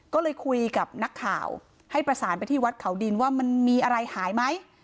ก็เลยคุยกับนักข่าวให้ประสานไปที่วัดเขาดินว่ามันมีอะไรหายไหม